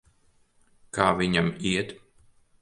Kā viņam iet?